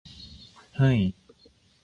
เฮ่ย